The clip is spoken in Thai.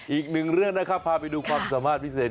อีกหนึ่งเรื่องนะครับพาไปดูความสามารถพิเศษ